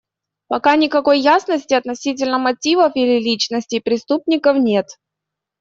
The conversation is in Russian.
Пока никакой ясности относительно мотивов или личностей преступников нет.